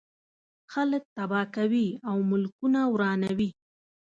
خلک تباه کوي او ملکونه ورانوي.